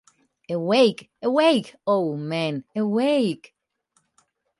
Awake, awake, Oh men, awake!